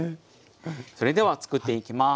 それではつくっていきます。